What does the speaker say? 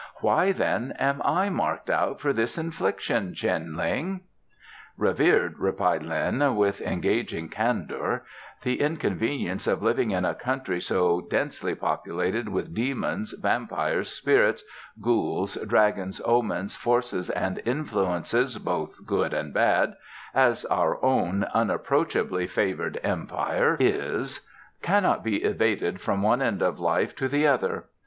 Why, then, am I marked out for this infliction, Cheng Lin?" "Revered," replied Lin, with engaging candour, "the inconveniences of living in a country so densely populated with demons, vampires, spirits, ghouls, dragons, omens, forces and influences, both good and bad, as our own unapproachably favoured Empire is, cannot be evaded from one end of life to the other.